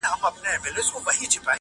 o خدايه دا ټـپه مي په وجود كـي ده.